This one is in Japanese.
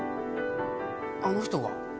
あの人が？